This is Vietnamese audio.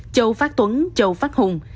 châu phát tuấn châu phát hùng